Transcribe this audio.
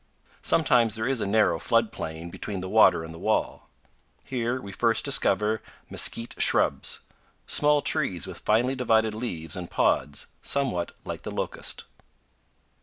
Sometimes there is a narrow flood plain between the water and the wall. Here we first discover mesquite shrubs, small trees with finely divided leaves and pods, somewhat like the locust.